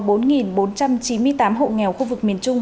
bốn bốn trăm chín mươi tám hộ nghèo khu vực miền trung